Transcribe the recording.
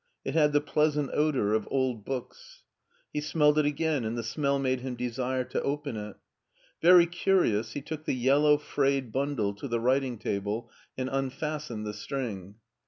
It had the pleasant odor of old books. He smdled it again, and the smell made him desire to open it. Very curiou3, he took the yellow, frayed bundle to the writing table and unfastened the string.